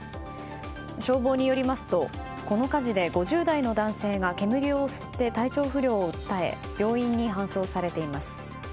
消防によりますとこの火事で５０代の男性が煙を吸って体調不良を訴え病院に搬送されています。